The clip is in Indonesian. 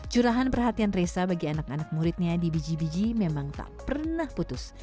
jurahan perhatian resa bagi anak anak muridnya di bgbg memang tak pernah putus